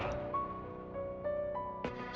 saya takut kamu diapa apain